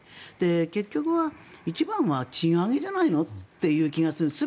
結局は一番は賃上げじゃないのって気がするんです。